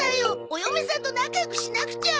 お嫁さんと仲良くしなくちゃ。